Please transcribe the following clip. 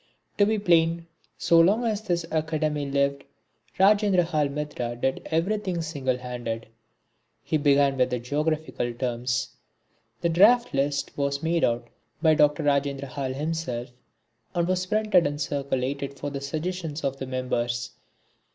To be plain, so long as this academy lived Rajendrahal Mitra did everything single handed. He began with Geographical terms. The draft list was made out by Dr. Rajendrahal himself and was printed and circulated for the suggestions of the members.